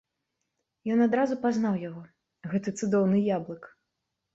Ён адразу пазнаў яго, гэты цудоўны яблык.